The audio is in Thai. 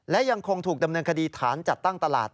และยังคงถูกดำเนินคดีฐานจัดตั้งตลาด